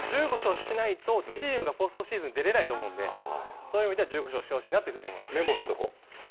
１５勝しないとチームがポストシーズンに出れないと思うのでそういう意味では１５勝してほしいなと思います。